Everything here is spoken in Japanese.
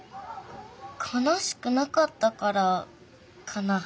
かなしくなかったからかな。